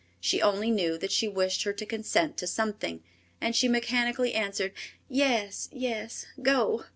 She only knew that she wished her to consent to something, and she mechanically answered, "Yes, yes, go."